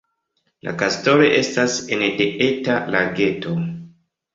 La kastelo estas ene de eta lageto.